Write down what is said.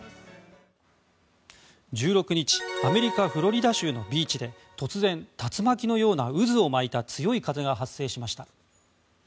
１６日アメリカ・フロリダ州のビーチで突然、竜巻のような渦を巻いた強い風が発生しました。